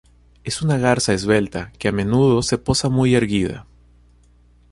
Es una garza esbelta que a menudo se posa muy erguida.